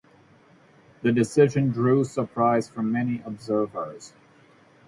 The decision drew surprise from many observers.